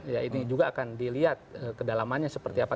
ya ini juga akan dilihat kedalamannya seperti apa